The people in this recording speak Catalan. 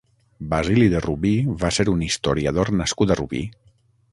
Basili de Rubí va ser un historiador nascut a Rubí.